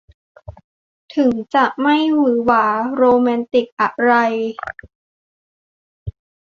ถึงจะไม่หวือหวาโรแมนติกอะไร